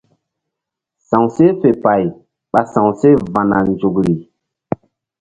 Sa̧wseh fe pay ɓa sa̧wseh va̧na nzukri.